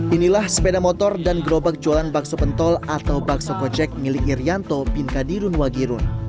inilah sepeda motor dan gerobak jualan bakso pentol atau bakso kojek milik irianto pinkadirunwagirun